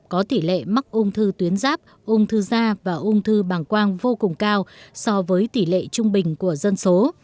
có tỷ lệ mắc ung thư tuyến giáp ung thư da và ung thư bằng quang vô cùng cao so với tỷ lệ trung bình của dân số